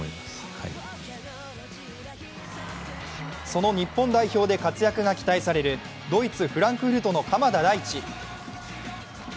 その日本代表で活躍が期待されるドイツ・フランクフルトの鎌田大地。